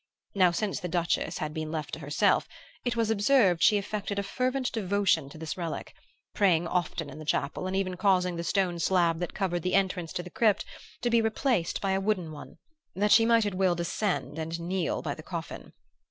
Now, since the Duchess had been left to herself, it was observed she affected a fervent devotion to this relic, praying often in the chapel and even causing the stone slab that covered the entrance to the crypt to be replaced by a wooden one, that she might at will descend and kneel by the coffin.